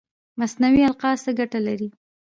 مصنوعي القاح څه ګټه لري؟